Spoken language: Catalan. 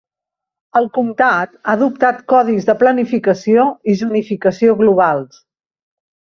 El comptat ha adoptat codis de planificació i zonificació globals.